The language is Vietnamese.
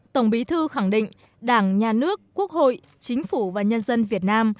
tổng bí thư khẳng định đảng nhà nước quốc hội chính phủ và nhân dân việt nam